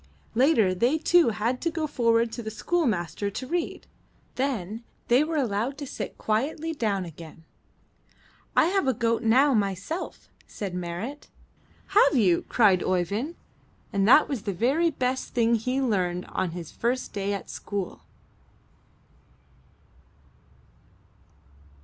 Later, they too had to go forward to the school master to read; then they were allowed to sit quietly down again. '1 have a goat now myself,'' said Marit. ''Have you?" cried Oeyvind; and that was the very best thing he learned on his first day at school.